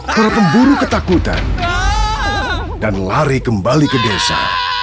para pemburu ketakutan dan lari kembali ke desa